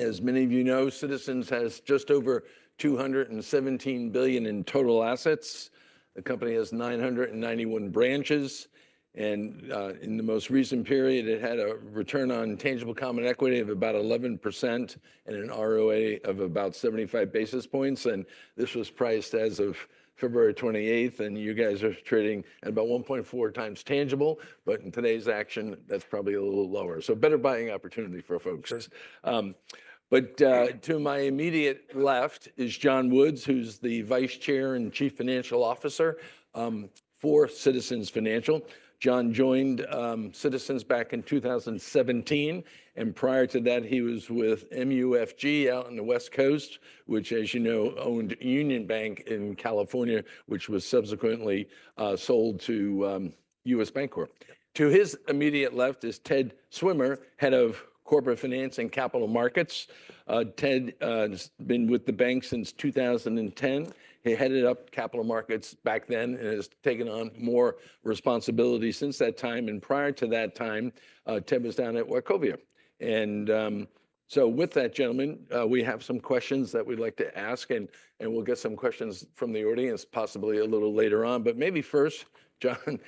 As many of you know, Citizens has just over $217 billion in total assets. The company has 991 branches, and in the most recent period, it had a return on tangible common equity of about 11% and an ROA of about 75 basis points, and this was priced as of February 28th, and you guys are trading at about 1.4 times tangible, but in today's action, that's probably a little lower, so better buying opportunity for folks, but to my immediate left is John Woods, who's the Vice Chair and Chief Financial Officer for Citizens Financial. John joined Citizens back in 2017, and prior to that, he was with MUFG out on the West Coast, which, as you know, owned Union Bank in California, which was subsequently sold to U.S. Bancorp. To his immediate left is Ted Swimmer, Head of Corporate Finance and Capital Markets. Ted has been with the bank since 2010. He headed up capital markets back then and has taken on more responsibility since that time, and prior to that time, Ted was down at Wachovia, and so with that gentleman, we have some questions that we'd like to ask, and we'll get some questions from the audience possibly a little later on, but maybe first, John,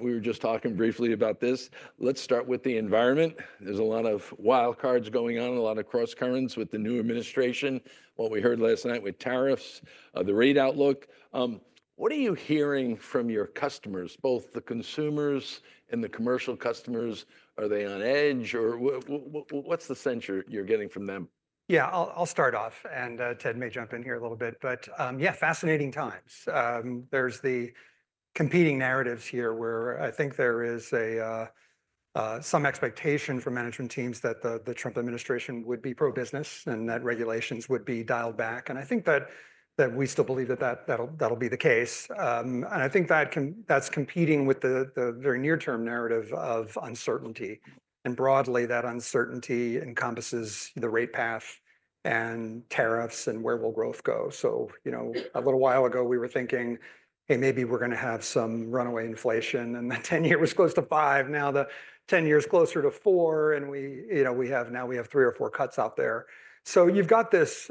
we were just talking briefly about this. Let's start with the environment. There's a lot of wild cards going on, a lot of cross-currents with the new administration, what we heard last night with tariffs, the rate outlook. What are you hearing from your customers, both the consumers and the commercial customers? Are they on edge, or what's the sense you're getting from them? Yeah, I'll start off, and Ted may jump in here a little bit. But yeah, fascinating times. There's the competing narratives here where I think there is some expectation from management teams that the Trump administration would be pro-business and that regulations would be dialed back. And I think that we still believe that that'll be the case. And I think that's competing with the very near-term narrative of uncertainty. And broadly, that uncertainty encompasses the rate path and tariffs and where will growth go. So, you know, a little while ago, we were thinking, hey, maybe we're going to have some runaway inflation, and the 10-year was close to 5. Now the 10-year is closer to 4, and we have now three or four cuts out there. So you've got these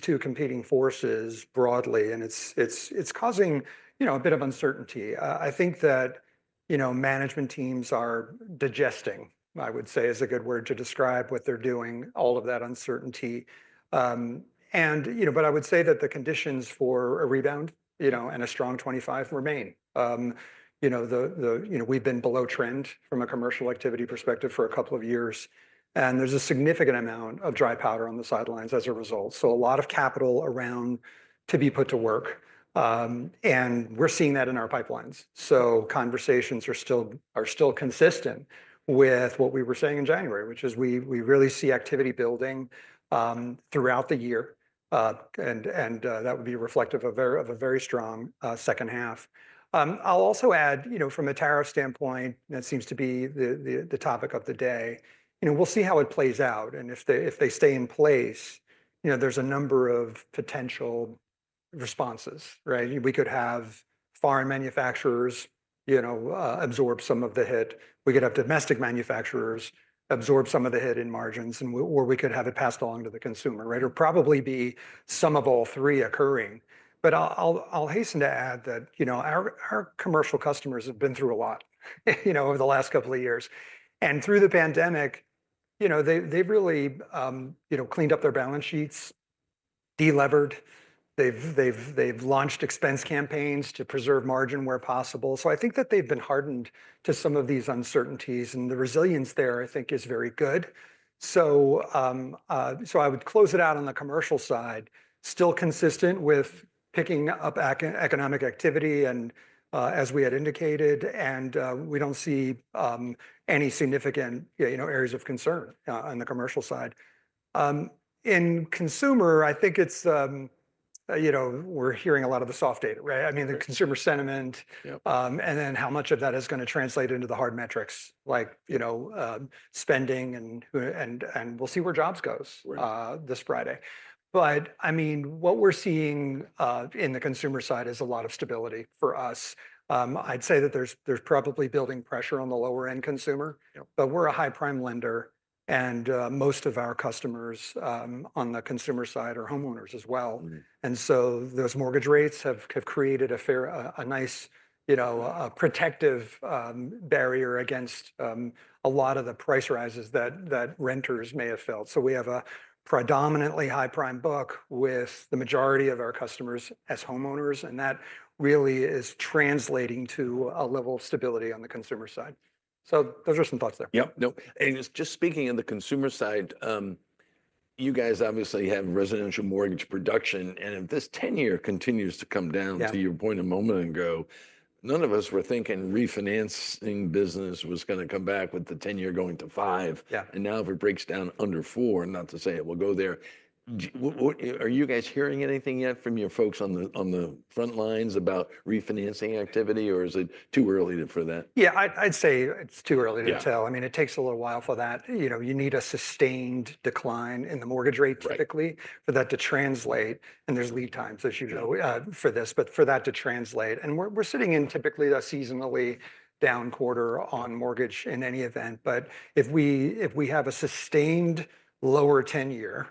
two competing forces broadly, and it's causing a bit of uncertainty. I think that, you know, management teams are digesting. I would say is a good word to describe what they're doing, all of that uncertainty. And, you know, but I would say that the conditions for a rebound, you know, and a strong 25 remain. You know, we've been below trend from a commercial activity perspective for a couple of years, and there's a significant amount of dry powder on the sidelines as a result. So a lot of capital around to be put to work, and we're seeing that in our pipelines. So conversations are still consistent with what we were saying in January, which is we really see activity building throughout the year, and that would be reflective of a very strong second half. I'll also add, you know, from a tariff standpoint, that seems to be the topic of the day. You know, we'll see how it plays out, and if they stay in place, you know, there's a number of potential responses, right? We could have foreign manufacturers, you know, absorb some of the hit. We could have domestic manufacturers absorb some of the hit in margins, or we could have it passed along to the consumer, right? Or probably be some of all three occurring. But I'll hasten to add that, you know, our commercial customers have been through a lot, you know, over the last couple of years. And through the pandemic, you know, they've really, you know, cleaned up their balance sheets, delevered. They've launched expense campaigns to preserve margin where possible. So I think that they've been hardened to some of these uncertainties, and the resilience there, I think, is very good. So I would close it out on the commercial side, still consistent with picking up economic activity as we had indicated, and we don't see any significant, you know, areas of concern on the commercial side. In consumer, I think it's, you know, we're hearing a lot of the soft data, right? I mean, the consumer sentiment, and then how much of that is going to translate into the hard metrics, like, you know, spending, and we'll see where jobs go this Friday. But I mean, what we're seeing in the consumer side is a lot of stability for us. I'd say that there's probably building pressure on the lower-end consumer, but we're a high-end lender, and most of our customers on the consumer side are homeowners as well. And so those mortgage rates have created a nice, you know, protective barrier against a lot of the price rises that renters may have felt. So we have a predominantly high-prime book with the majority of our customers as homeowners, and that really is translating to a level of stability on the consumer side. So those are some thoughts there. Yep. Nope. Just speaking on the consumer side, you guys obviously have residential mortgage production, and if this 10-year continues to come down, to your point a moment ago, none of us were thinking refinancing business was going to come back with the 10-year going to five. Now if it breaks down under four, not to say it will go there, are you guys hearing anything yet from your folks on the front lines about refinancing activity, or is it too early for that? Yeah, I'd say it's too early to tell. I mean, it takes a little while for that. You know, you need a sustained decline in the mortgage rate typically for that to translate, and there's lead times, as you know, for this, but for that to translate. And we're sitting in typically a seasonally down quarter on mortgage in any event. But if we have a sustained lower 10-year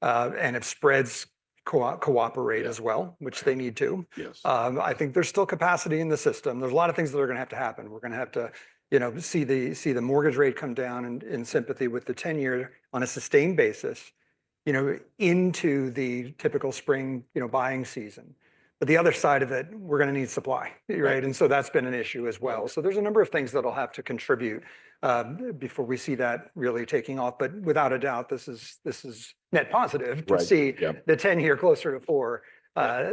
and if spreads cooperate as well, which they need to, I think there's still capacity in the system. There's a lot of things that are going to have to happen. We're going to have to, you know, see the mortgage rate come down in sympathy with the 10-year on a sustained basis, you know, into the typical spring, you know, buying season. But the other side of it, we're going to need supply, right? That's been an issue as well. So there's a number of things that'll have to contribute before we see that really taking off. But without a doubt, this is net positive to see the 10-year closer to 4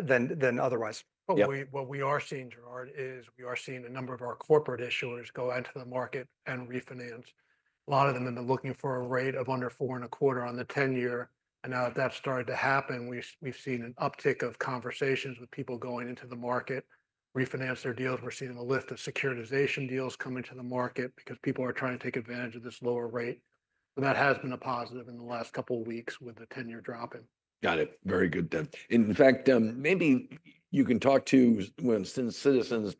than otherwise. What we are seeing, Gerard, is we are seeing a number of our corporate issuers go into the market and refinance. A lot of them have been looking for a rate of under 4.25 on the 10-year. And now that that's started to happen, we've seen an uptick of conversations with people going into the market, refinance their deals. We're seeing a lift of securitization deals coming to the market because people are trying to take advantage of this lower rate. And that has been a positive in the last couple of weeks with the 10-year dropping. Got it. Very good, Ted. In fact, maybe you can talk to, since Citizens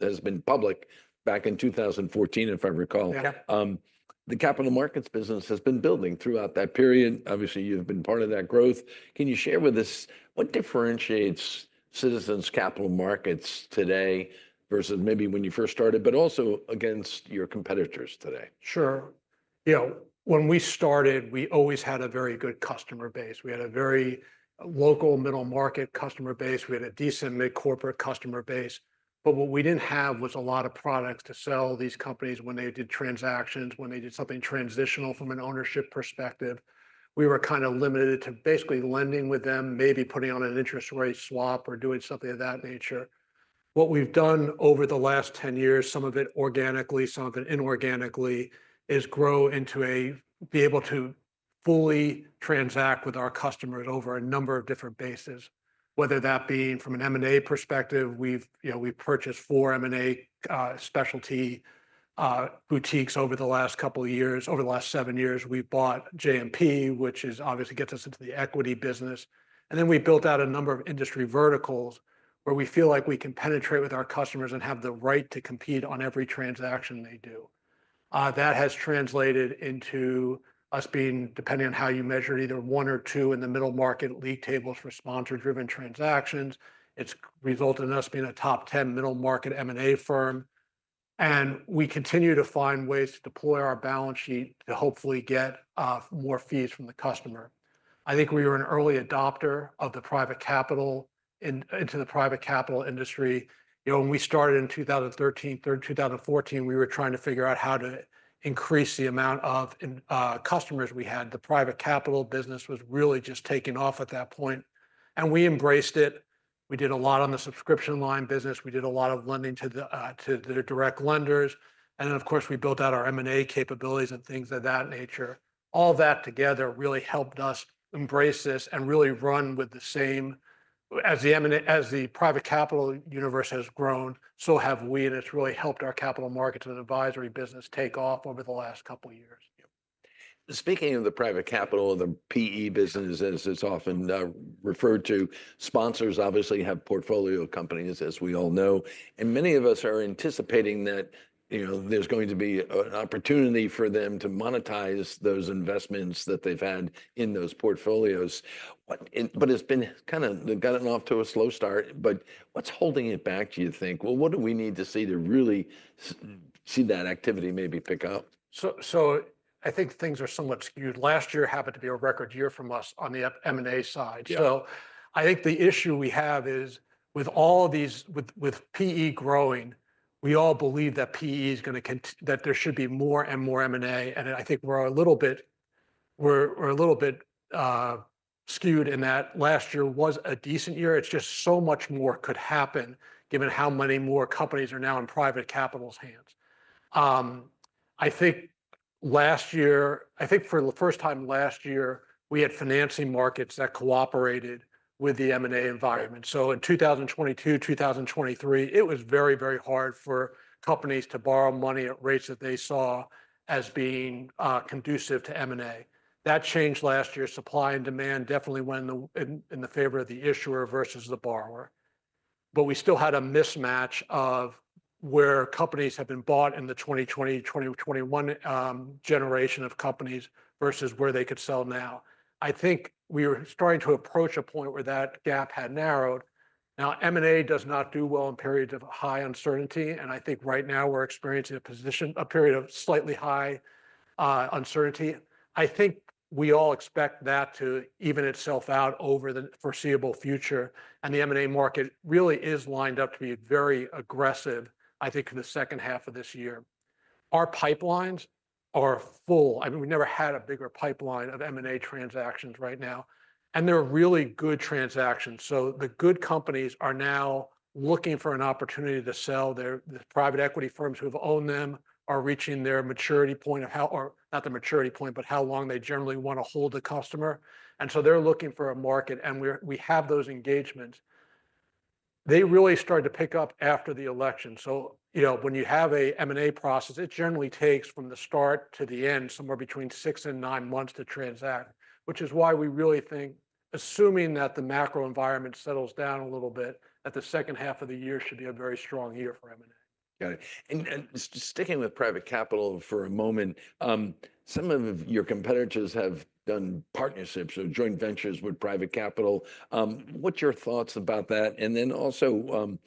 has been public back in 2014, if I recall, the capital markets business has been building throughout that period. Obviously, you've been part of that growth. Can you share with us what differentiates Citizens Capital Markets today versus maybe when you first started, but also against your competitors today? Sure. You know, when we started, we always had a very good customer base. We had a very local middle market customer base. We had a decent mid-corporate customer base. But what we didn't have was a lot of products to sell these companies when they did transactions, when they did something transitional from an ownership perspective. We were kind of limited to basically lending with them, maybe putting on an interest rate swap or doing something of that nature. What we've done over the last 10 years, some of it organically, some of it inorganically, is grow into a be able to fully transact with our customers over a number of different bases, whether that being from an M&A perspective. We've purchased four M&A specialty boutiques over the last couple of years. Over the last 7 years, we bought JMP, which obviously gets us into the equity business. And then we built out a number of industry verticals where we feel like we can penetrate with our customers and have the right to compete on every transaction they do. That has translated into us being, depending on how you measure, either one or two in the middle market league tables for sponsor-driven transactions. It's resulted in us being a top 10 middle market M&A firm. And we continue to find ways to deploy our balance sheet to hopefully get more fees from the customer. I think we were an early adopter of the private capital into the private capital industry. You know, when we started in 2013, 2014, we were trying to figure out how to increase the amount of customers we had. The private capital business was really just taking off at that point. And we embraced it. We did a lot on the subscription line business. We did a lot of lending to the direct lenders. And then, of course, we built out our M&A capabilities and things of that nature. All that together really helped us embrace this and really run with the same as the private capital universe has grown, so have we. And it's really helped our capital markets and advisory business take off over the last couple of years. Speaking of the private capital and the PE business, as it's often referred to, sponsors obviously have portfolio companies, as we all know, and many of us are anticipating that, you know, there's going to be an opportunity for them to monetize those investments that they've had in those portfolios, but it's been kind of, they've gotten off to a slow start, but what's holding it back, do you think, well, what do we need to see to really see that activity maybe pick up? So I think things are somewhat skewed. Last year happened to be a record year from us on the M&A side. So I think the issue we have is with all of these, with PE growing, we all believe that PE is going to that there should be more and more M&A. And I think we're a little bit skewed in that last year was a decent year. It's just so much more could happen given how many more companies are now in private capital's hands. I think last year, I think for the first time last year, we had financing markets that cooperated with the M&A environment. So in 2022, 2023, it was very, very hard for companies to borrow money at rates that they saw as being conducive to M&A. That changed last year. Supply and demand definitely went in the favor of the issuer versus the borrower. But we still had a mismatch of where companies have been bought in the 2020, 2021 generation of companies versus where they could sell now. I think we were starting to approach a point where that gap had narrowed. Now, M&A does not do well in periods of high uncertainty. And I think right now we're experiencing a period of slightly high uncertainty. I think we all expect that to even itself out over the foreseeable future. And the M&A market really is lined up to be very aggressive, I think, in the second half of this year. Our pipelines are full. I mean, we've never had a bigger pipeline of M&A transactions right now. And they're really good transactions. So the good companies are now looking for an opportunity to sell. The private equity firms who have owned them are reaching their maturity point, but how long they generally want to hold the customer. So they're looking for a market. We have those engagements. They really started to pick up after the election. You know, when you have an M&A process, it generally takes from the start to the end somewhere between six and nine months to transact, which is why we really think, assuming that the macro environment settles down a little bit, that the second half of the year should be a very strong year for M&A. Got it. And just sticking with private capital for a moment, some of your competitors have done partnerships or joint ventures with private capital. What's your thoughts about that? And then also,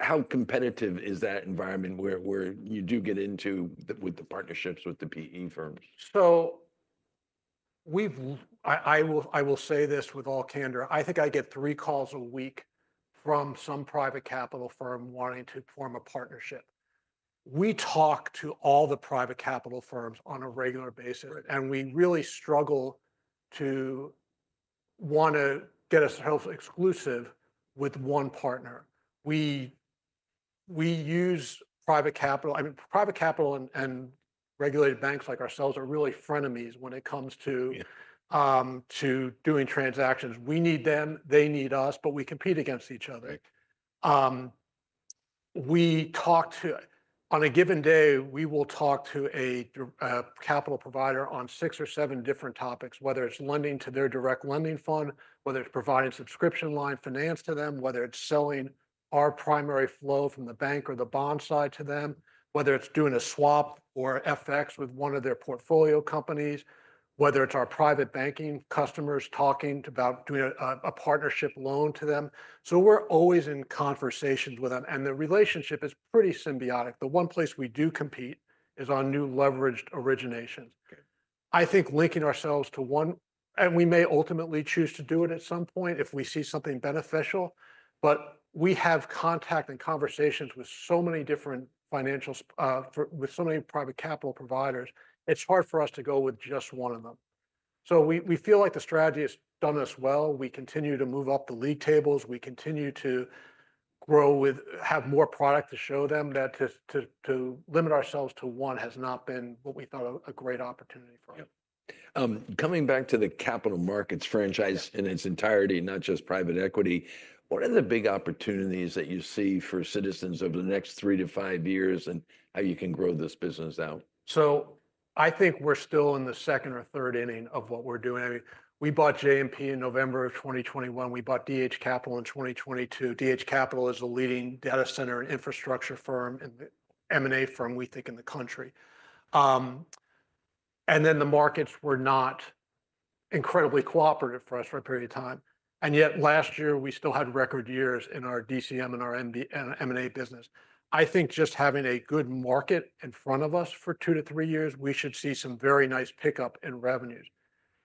how competitive is that environment where you do get into with the partnerships with the PE firms? So I will say this with all candor. I think I get three calls a week from some private capital firm wanting to form a partnership. We talk to all the private capital firms on a regular basis, and we really struggle to want to get ourselves exclusive with one partner. We use private capital. I mean, private capital and regulated banks like ourselves are really frenemies when it comes to doing transactions. We need them. They need us, but we compete against each other. On a given day, we will talk to a capital provider on six or seven different topics, whether it's lending to their direct lending fund, whether it's providing subscription line finance to them, whether it's selling our primary flow from the bank or the bond side to them, whether it's doing a swap or FX with one of their portfolio companies, whether it's our private banking customers talking about doing a partnership loan to them, so we're always in conversations with them, and the relationship is pretty symbiotic. The one place we do compete is on new leveraged originations. I think linking ourselves to one, and we may ultimately choose to do it at some point if we see something beneficial, but we have contact and conversations with so many different private capital providers. It's hard for us to go with just one of them. So we feel like the strategy has done us well. We continue to move up the league tables. We continue to grow with have more product to show them that to limit ourselves to one has not been what we thought a great opportunity for. Coming back to the capital markets franchise in its entirety, not just private equity, what are the big opportunities that you see for Citizens over the next three to five years and how you can grow this business out? So I think we're still in the second or third inning of what we're doing. I mean, we bought JMP in November of 2021. We bought DH Capital in 2022. DH Capital is a leading data center and infrastructure firm and M&A firm, we think, in the country. And then the markets were not incredibly cooperative for us for a period of time. And yet last year, we still had record years in our DCM and our M&A business. I think just having a good market in front of us for two to three years, we should see some very nice pickup in revenues.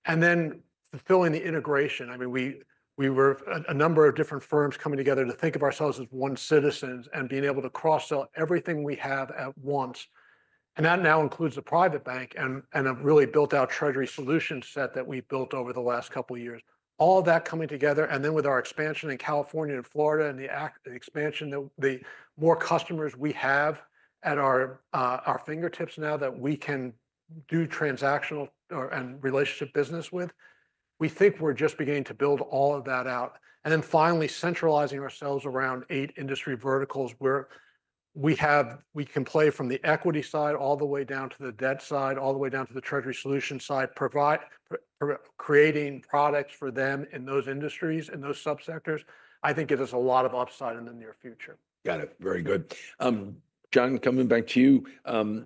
And then fulfilling the integration. I mean, we were a number of different firms coming together to think of ourselves as one Citizens and being able to cross-sell everything we have at once. And that now includes the Private Bank and a really built-out Treasury solution set that we built over the last couple of years. All of that coming together. And then with our expansion in California and Florida and the expansion, the more customers we have at our fingertips now that we can do transactional and relationship business with, we think we're just beginning to build all of that out. And then finally, centralizing ourselves around eight industry verticals where we can play from the equity side all the way down to the debt side, all the way down to the treasury solution side, creating products for them in those industries and those subsectors, I think gives us a lot of upside in the near future. Got it. Very good. John, coming back to you,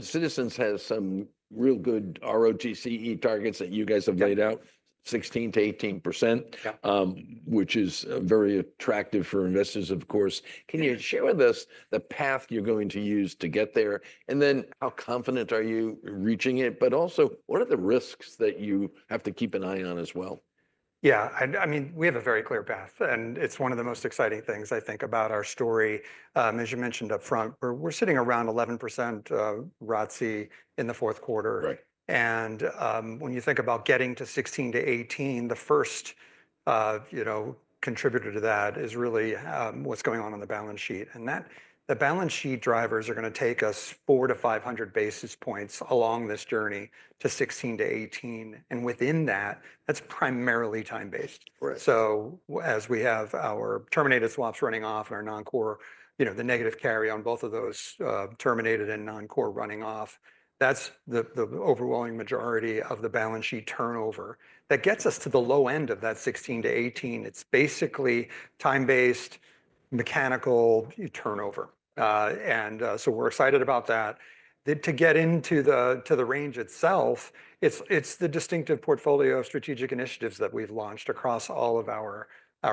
Citizens has some real good ROTCE targets that you guys have laid out, 16%-18%, which is very attractive for investors, of course. Can you share with us the path you're going to use to get there? And then how confident are you reaching it? But also, what are the risks that you have to keep an eye on as well? Yeah. I mean, we have a very clear path. And it's one of the most exciting things, I think, about our story. As you mentioned upfront, we're sitting around 11% ROTCE in the fourth quarter. And when you think about getting to 16%-18%, the first, you know, contributor to that is really what's going on on the balance sheet. And the balance sheet drivers are going to take us 400-500 basis points along this journey to 16%-18%. And within that, that's primarily time-based. So as we have our terminated swaps running off and our non-core, you know, the negative carry on both of those terminated and non-core running off, that's the overwhelming majority of the balance sheet turnover. That gets us to the low end of that 16%-18%. It's basically time-based, mechanical turnover. And so we're excited about that. To get into the range itself, it's the distinctive portfolio of strategic initiatives that we've launched across all of our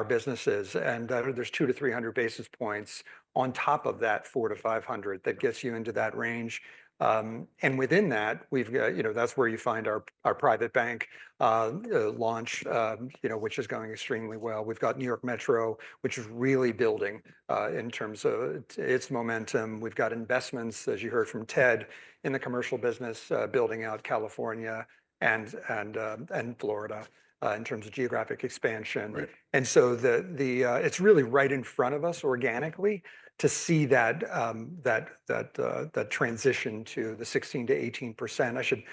businesses. And there's two to three hundred basis points on top of that four to five hundred that gets you into that range. And within that, you know, that's where you find our Private Bank launch, you know, which is going extremely well. We've got New York Metro, which is really building in terms of its momentum. We've got investments, as you heard from Ted, in the commercial business, building out California and Florida in terms of geographic expansion. And so it's really right in front of us organically to see that transition to the 16%-18%. I should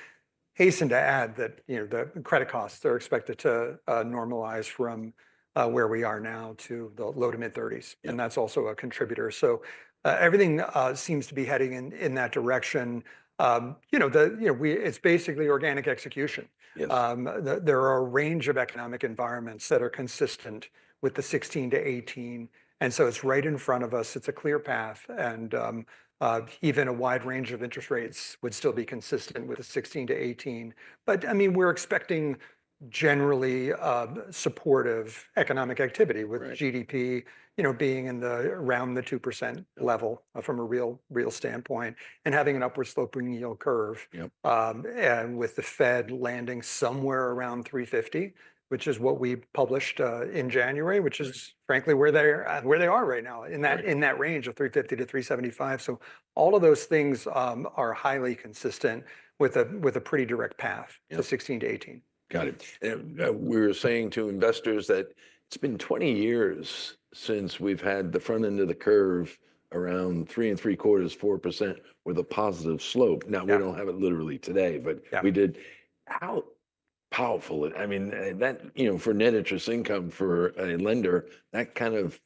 hasten to add that, you know, the credit costs are expected to normalize from where we are now to the low to mid-30s. And that's also a contributor. So everything seems to be heading in that direction. You know, it's basically organic execution. There are a range of economic environments that are consistent with the 16%-18%. And so it's right in front of us. It's a clear path. And even a wide range of interest rates would still be consistent with the 16%-18%. But I mean, we're expecting generally supportive economic activity with GDP, you know, being around the 2% level from a real standpoint and having an upward slope in yield curve. And with the Fed landing somewhere around 350, which is what we published in January, which is frankly where they are right now in that range of 350-375. So all of those things are highly consistent with a pretty direct path to 16%-18%. Got it. We were saying to investors that it's been 20 years since we've had the front end of the curve around three and three quarters, 4% with a positive slope. Now, we don't have it literally today, but we did. How powerful? I mean, that, you know, for net interest income for a lender, that kind of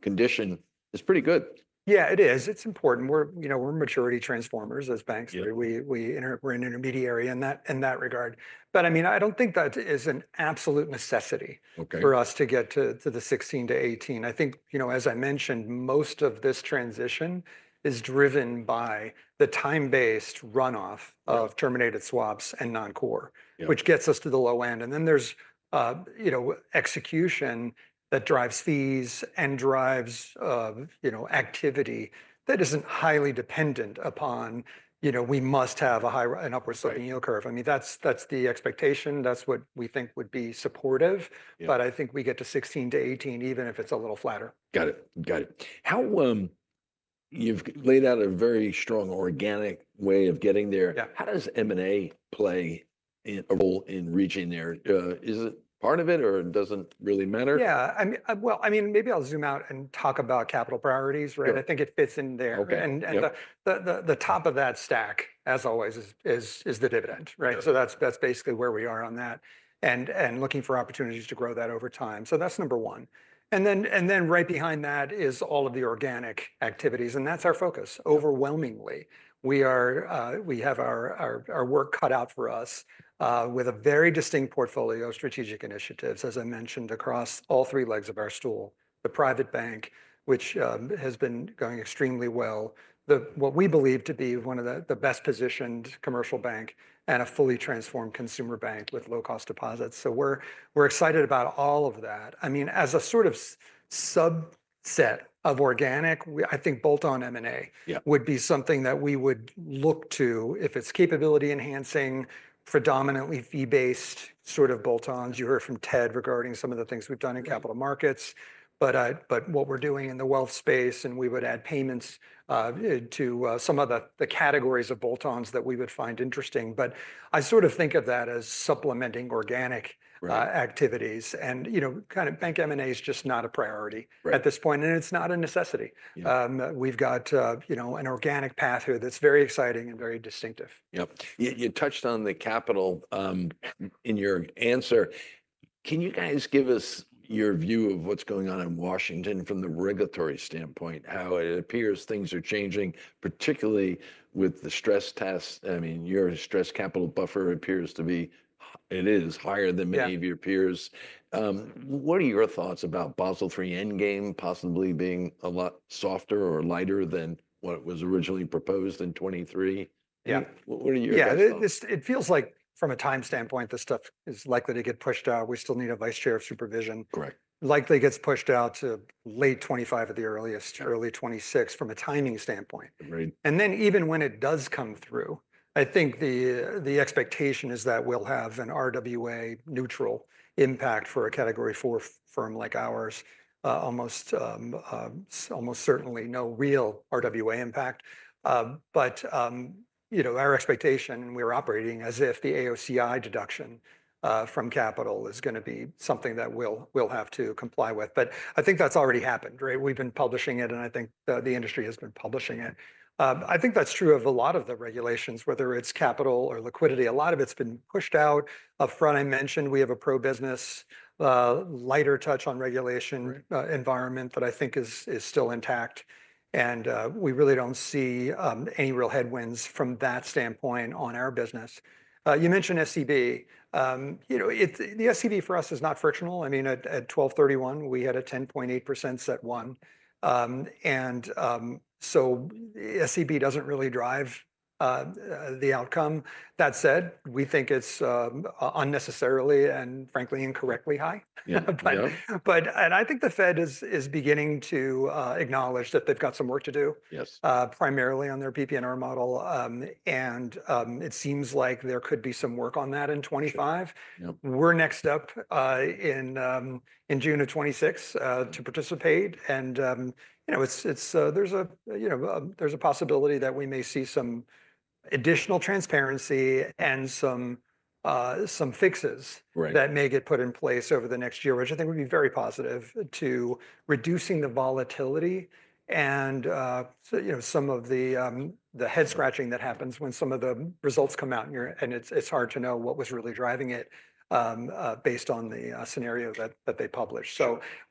condition is pretty good. Yeah, it is. It's important. We're, you know, we're maturity transformers as banks. We're an intermediary in that regard. But I mean, I don't think that is an absolute necessity for us to get to the 16 to 18. I think, you know, as I mentioned, most of this transition is driven by the time-based runoff of terminated swaps and non-core, which gets us to the low end. And then there's, you know, execution that drives fees and drives, you know, activity that isn't highly dependent upon, you know, we must have an upward sloping yield curve. I mean, that's the expectation. That's what we think would be supportive. But I think we get to 16 to 18, even if it's a little flatter. Got it. Got it. You've laid out a very strong organic way of getting there. How does M&A play a role in reaching there? Is it part of it or doesn't really matter? Yeah. I mean, well, I mean, maybe I'll zoom out and talk about capital priorities, right? I think it fits in there. And the top of that stack, as always, is the dividend, right? So that's basically where we are on that and looking for opportunities to grow that over time. So that's number one. And then right behind that is all of the organic activities. And that's our focus. Overwhelmingly, we have our work cut out for us with a very distinct portfolio of strategic initiatives, as I mentioned, across all three legs of our stool, the Private Bank, which has been going extremely well, what we believe to be one of the best positioned Commercial Bank and a fully transformed Consumer Bank with low-cost deposits. So we're excited about all of that. I mean, as a sort of subset of organic, I think bolt-on M&A would be something that we would look to if it's capability enhancing, predominantly fee-based sort of bolt-ons. You heard from Ted regarding some of the things we've done in capital markets, but what we're doing in the wealth space, and we would add payments to some of the categories of bolt-ons that we would find interesting, but I sort of think of that as supplementing organic activities, and you know, kind of bank M&A is just not a priority at this point, and it's not a necessity. We've got, you know, an organic path here that's very exciting and very distinctive. Yep. You touched on the capital in your answer. Can you guys give us your view of what's going on in Washington from the regulatory standpoint, how it appears things are changing, particularly with the stress tests? I mean, your Stress Capital Buffer appears to be, it is higher than many of your peers. What are your thoughts about Basel III Endgame possibly being a lot softer or lighter than what it was originally proposed in 2023? Yeah. What are your thoughts? Yeah. It feels like from a time standpoint, this stuff is likely to get pushed out. We still need a Vice Chair of Supervision. Likely gets pushed out to late 2025 at the earliest, early 2026 from a timing standpoint. And then even when it does come through, I think the expectation is that we'll have an RWA neutral impact for a Category IV firm like ours, almost certainly no real RWA impact. But, you know, our expectation, we're operating as if the AOCI deduction from capital is going to be something that we'll have to comply with. But I think that's already happened, right? We've been publishing it, and I think the industry has been publishing it. I think that's true of a lot of the regulations, whether it's capital or liquidity. A lot of it's been pushed out upfront. I mentioned we have a pro-business, lighter touch on regulation environment that I think is still intact. We really don't see any real headwinds from that standpoint on our business. You mentioned SCB. You know, the SCB for us is not frictional. I mean, at 12/31, we had a 10.8% CET1. So SCB doesn't really drive the outcome. That said, we think it's unnecessarily and frankly incorrectly high. I think the Fed is beginning to acknowledge that they've got some work to do primarily on their PPNR model. It seems like there could be some work on that in 2025. We're next up in June of 2026 to participate. You know, there's a possibility that we may see some additional transparency and some fixes that may get put in place over the next year, which I think would be very positive to reducing the volatility and, you know, some of the head-scratching that happens when some of the results come out and it's hard to know what was really driving it based on the scenario that they published.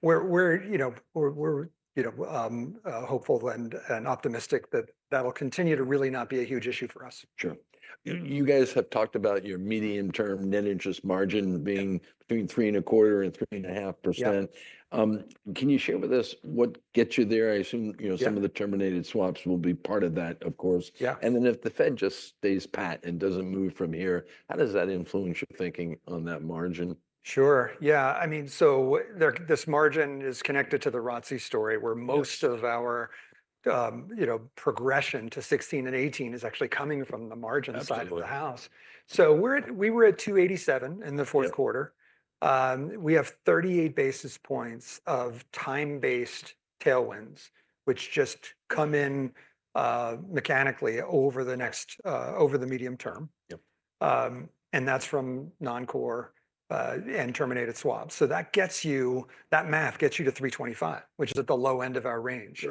We're, you know, hopeful and optimistic that that'll continue to really not be a huge issue for us. Sure. You guys have talked about your medium-term net interest margin being between 3.25% and 3.5%. Can you share with us what gets you there? I assume, you know, some of the terminated swaps will be part of that, of course. And then if the Fed just stays pat and doesn't move from here, how does that influence your thinking on that margin? Sure. Yeah. I mean, so this margin is connected to the ROTCE story where most of our, you know, progression to 16 and 18 is actually coming from the margin side of the house. So we were at 287 in the fourth quarter. We have 38 basis points of time-based tailwinds, which just come in mechanically over the next, over the medium term. And that's from non-core and terminated swaps. So that gets you, that math gets you to 325, which is at the low end of our range.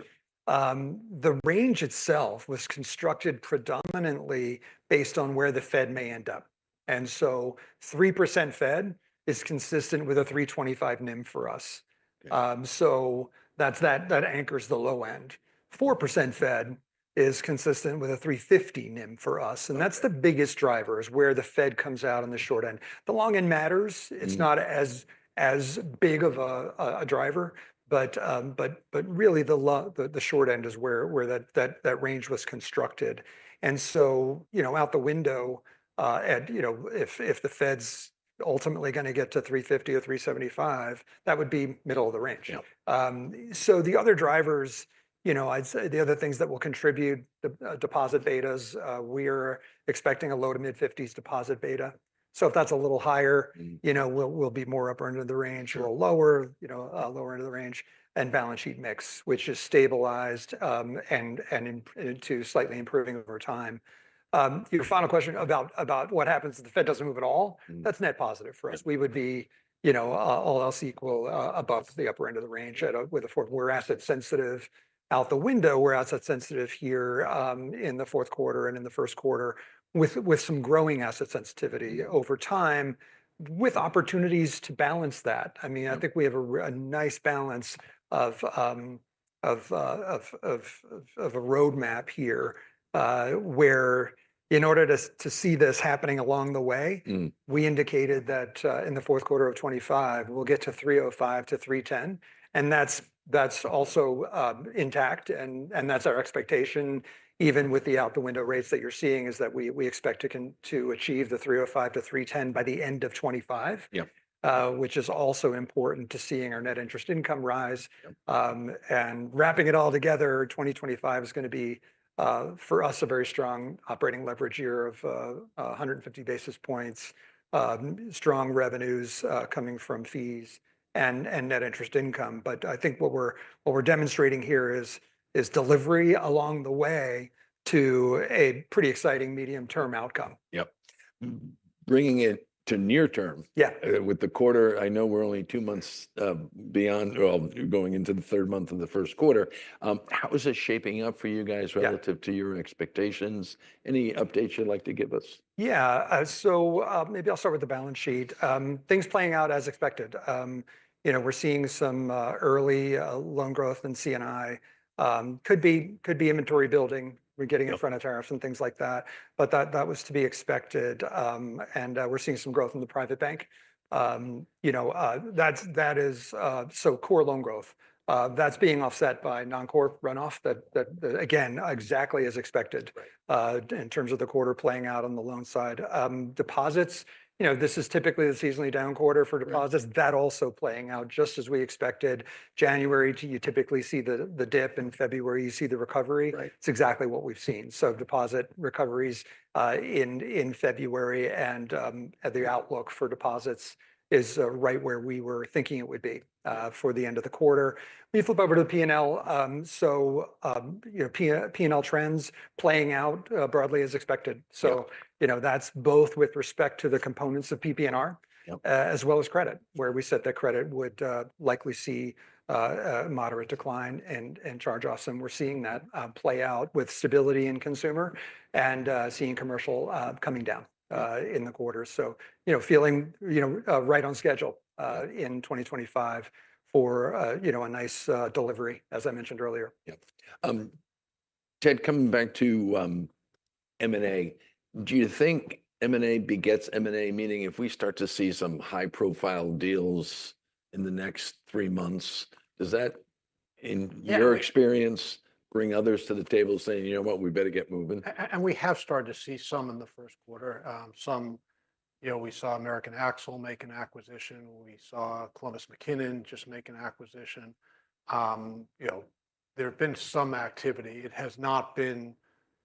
The range itself was constructed predominantly based on where the Fed may end up. And so 3% Fed is consistent with a 325 NIM for us. So that's what anchors the low end. 4% Fed is consistent with a 350 NIM for us. And that's the biggest driver is where the Fed comes out on the short end. The long end matters. It's not as big of a driver, but really the short end is where that range was constructed. And so, you know, out the window at, you know, if the Fed's ultimately going to get to 350 or 375, that would be middle of the range. So the other drivers, you know, I'd say the other things that will contribute, deposit betas, we're expecting a low-to-mid-50s deposit beta. So if that's a little higher, you know, we'll be more upper end of the range, a little lower, you know, lower end of the range, and balance sheet mix, which is stabilized and to slightly improving over time. Your final question about what happens if the Fed doesn't move at all, that's net positive for us. We would be, you know, all else equal above the upper end of the range with a fourth quarter. We're asset sensitive out the window. We're asset sensitive here in the fourth quarter and in the first quarter with some growing asset sensitivity over time with opportunities to balance that. I mean, I think we have a nice balance of a roadmap here where in order to see this happening along the way, we indicated that in the fourth quarter of 2025, we'll get to 305-310. And that's also intact. And that's our expectation even with the out the window rates that you're seeing is that we expect to achieve the 305-310 by the end of 2025, which is also important to seeing our net interest income rise. And wrapping it all together, 2025 is going to be for us a very strong operating leverage year of 150 basis points, strong revenues coming from fees and net interest income. But I think what we're demonstrating here is delivery along the way to a pretty exciting medium-term outcome. Yep. Bringing it to near term. Yeah. With the quarter, I know we're only two months beyond or going into the third month of the first quarter. How is it shaping up for you guys relative to your expectations? Any updates you'd like to give us? Yeah. So maybe I'll start with the balance sheet. Things playing out as expected. You know, we're seeing some early loan growth in C&I. Could be inventory building. We're getting in front of tariffs and things like that. But that was to be expected. And we're seeing some growth in the Private Bank. You know, that is so core loan growth. That's being offset by non-core runoff that, again, exactly as expected in terms of the quarter playing out on the loan side. Deposits, you know, this is typically the seasonally down quarter for deposits. That also playing out just as we expected. January, too, you typically see the dip in February. You see the recovery. It's exactly what we've seen. So deposit recoveries in February and the outlook for deposits is right where we were thinking it would be for the end of the quarter. We flip over to the P&L. So, P&L trends playing out broadly as expected. So, you know, that's both with respect to the components of PPNR as well as credit, where we said that credit would likely see a moderate decline in charge-offs. And we're seeing that play out with stability in consumer and seeing commercial coming down in the quarter. So, you know, feeling, you know, right on schedule in 2025 for, you know, a nice delivery, as I mentioned earlier. Ted, coming back to M&A, do you think M&A begets M&A, meaning if we start to see some high-profile deals in the next three months, does that in your experience bring others to the table saying, you know what, we better get moving? We have started to see some in the first quarter. Some, you know, we saw American Axle make an acquisition. We saw Columbus McKinnon just make an acquisition. You know, there have been some activity. It has not been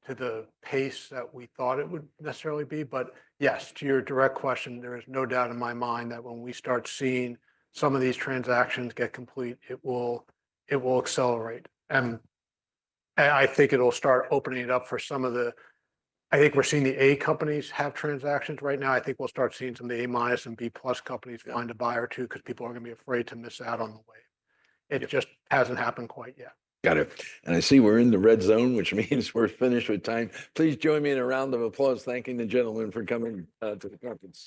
to the pace that we thought it would necessarily be. But yes, to your direct question, there is no doubt in my mind that when we start seeing some of these transactions get complete, it will accelerate. And I think it'll start opening it up for some of the, I think we're seeing the A companies have transactions right now. I think we'll start seeing some of the A- and B+ companies find a buyer too because people are going to be afraid to miss out on the wave. It just hasn't happened quite yet. Got it, and I see we're in the red zone, which means we're finished with time. Please join me in a round of applause, thanking the gentlemen for coming to the conference.